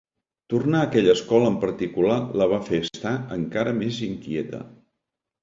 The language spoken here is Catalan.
Tornar a aquella escola en particular la va fer estar encara més inquieta.